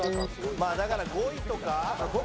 まあだから５位とか？